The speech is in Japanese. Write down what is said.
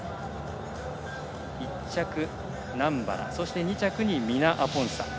１着ナンバラそして、２着にミナアポンサ。